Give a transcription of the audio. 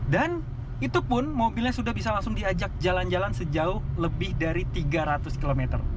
dan itu pun mobilnya sudah bisa langsung diajak jalan jalan sejauh lebih dari tiga ratus km